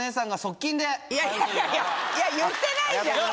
いや言ってないじゃん。